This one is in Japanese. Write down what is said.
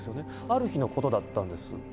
ある日のことだったんです。